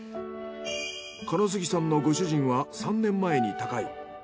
金杉さんのご主人は３年前に他界。